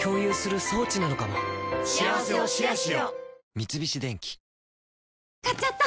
三菱電機買っちゃった！